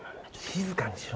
静かにしろ。